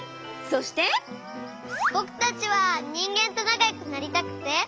ぼくたちはにんげんとなかよくなりたくて。